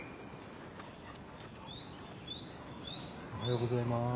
おはようございます。